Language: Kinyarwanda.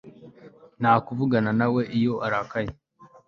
Nta kuvugana nawe iyo arakaye